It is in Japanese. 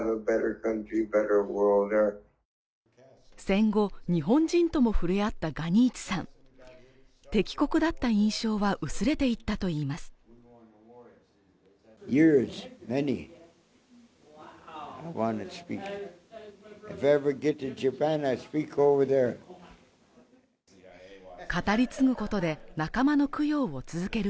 戦後日本人とも触れ合ったガニーチさん敵国だった印象は薄れていったといいます語り継ぐことで仲間の供養を続ける